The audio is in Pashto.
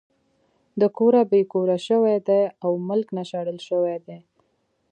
د کوره بې کوره شوے دے او ملک نه شړلے شوے دے